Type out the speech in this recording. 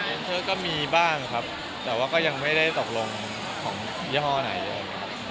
พรีเซ็นเตอร์ก็มีบ้างครับแต่ว่าก็ยังไม่ได้ตกลงของยาห้อไหนเลย